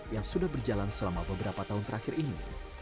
yang sudah berjalan selama beberapa tahun terakhir ini